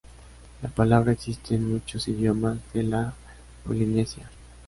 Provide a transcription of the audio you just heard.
La palabra existe en muchos idiomas de la Polinesia.